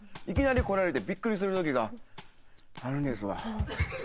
いきなりこられてびっくりするときがあるんですわ。